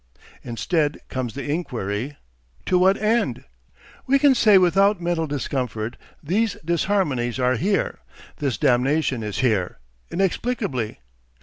Instead comes the inquiry, "To what end?" We can say without mental discomfort, these disharmonies are here, this damnation is here inexplicably.